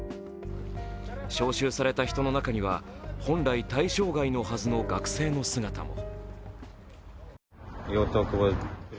招集された人の中には、本来対象外のはずの学生の姿も。